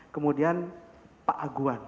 kemudian pak agwan